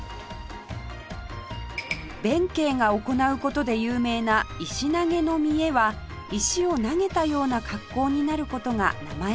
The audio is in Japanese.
弁慶が行う事で有名な石投げの見得は石を投げたような格好になる事が名前の由来